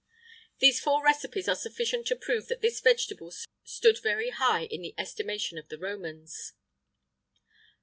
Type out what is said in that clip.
[IX 71] These four recipes are sufficient to prove that this vegetable stood very high in the estimation of the Romans.